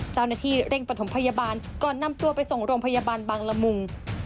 เจ้าหน้าที่เร่งปฐมพยาบาลก่อนนำตัวไปส่งโรงพยาบาลบางละมุง